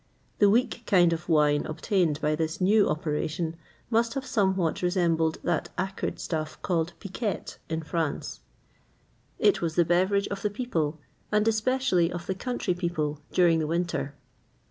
The weak kind of wine obtained by this new operation must have somewhat resembled that acrid stuff called piquette, in France; it was the beverage of the people, and especially of the country people during the winter.